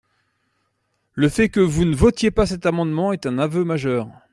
Le fait que vous ne votiez pas cet amendement est un aveu majeur